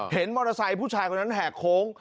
เห็นมอเตอร์ไซค์ผู้ชายคนนั้นแหกโค้ง